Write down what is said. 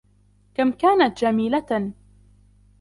كم كانت جميلة.